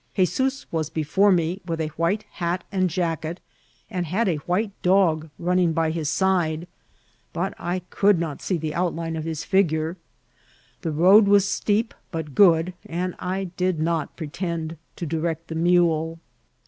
*Hesoos was before tuBj with a white hat and jacket, and had a white dog running by his side, but I could not see the outline c^ his figure. The road was steep but good, and I did not pretend to direct the mule.